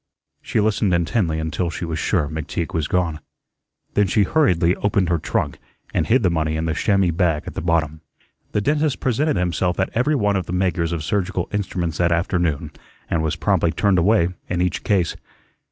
She listened intently until she was sure McTeague was gone. Then she hurriedly opened her trunk and hid the money in the chamois bag at the bottom. The dentist presented himself at every one of the makers of surgical instruments that afternoon and was promptly turned away in each case.